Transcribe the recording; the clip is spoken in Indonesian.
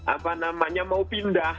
apa namanya mau pindah